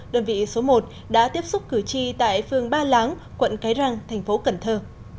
đơn vị số một đã tiếp xúc cử tri tại phường ba láng quận cái răng thành phố cần thơ